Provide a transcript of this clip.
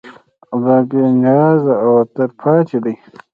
الله بېنیاز او تلپاتې دی.